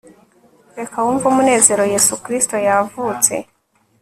reka wumve umunezero yesu kristo yavutse